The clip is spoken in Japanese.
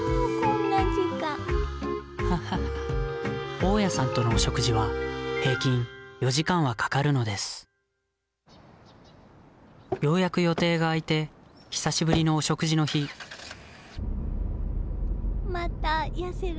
大家さんとのお食事は平均４時間はかかるのですようやく予定が空いて久しぶりのお食事の日また痩せられました？